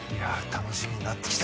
楽しみになってきた。